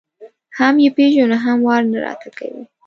هم یې پېژنو او هم واره نه راته کوي.